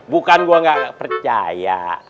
bukan gue nggak percaya